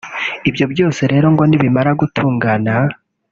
Ibyo byose rero ngo nibimara gutungana